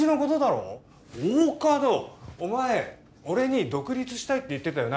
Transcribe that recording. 俺に「独立したい」って言ってたよな？